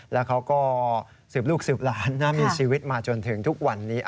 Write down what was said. แล้วเขาก็สืบลูกสืบหลานมีชีวิตมาจนถึงทุกวันนี้